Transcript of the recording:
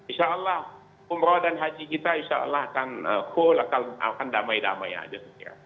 insyaallah umroh dan haji kita insyaallah akan damai damai saja